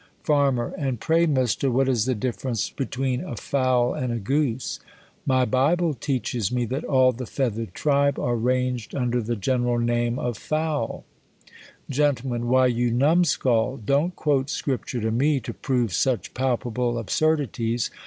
Farm, And pray, Mister, what is the difference between a fowl and a goose ? My bible teaches me, that all the feathered tribe are ranged under the gen eral name of fowl. Gent, Why, you numskull! don't quote scripture to me, to prove such palpable absurdities.